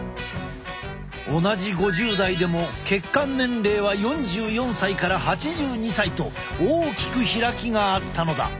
同じ５０代でも血管年齢は４４歳から８２歳と大きく開きがあったのだ。